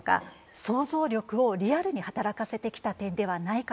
想像力をリアルに働かせてきた点ではないかと思います。